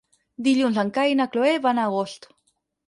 Dilluns en Cai i na Cloè van a Agost.